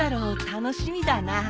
楽しみだなあ。